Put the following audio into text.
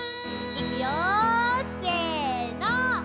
いくよせの。